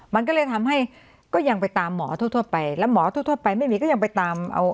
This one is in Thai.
มันก็เลยทำให้ก็ยังไปตามหมอทั่วไปแล้วหมอทั่วไปไม่มีก็ยังไปตามเอา